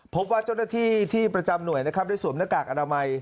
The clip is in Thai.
พบว่าเจ้าหน้าที่ที่ประจำหน่วยนะครับได้สวมหน้ากากอนามัย